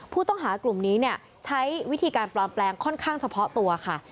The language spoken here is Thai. ผู้ต้องหากลุ่มนี้ใช้วิธีการปลอมแปลงค่อนข้างเฉพาะตัวค่ะ